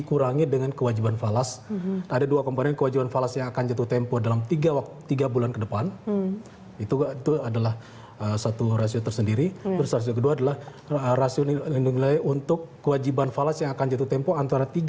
untuk periode jatuh januari